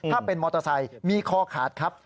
ถ้าเป็นมอเตอร์ไซค์มีคอขาดครับ